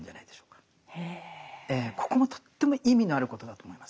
ここもとっても意味のあることだと思います。